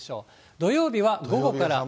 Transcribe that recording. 土曜日は午後から。